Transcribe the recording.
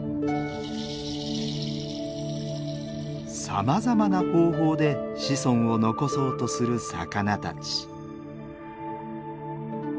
さまざまな方法で子孫を残そうとする魚たち。